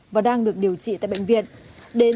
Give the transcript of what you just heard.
và đang được điều trị tại bệnh viện